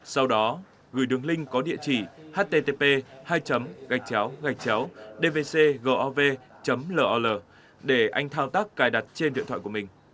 sau đó gửi đường link có địa chỉ http dvcgov lol để anh thao tác cài đặt trên điện thoại của mình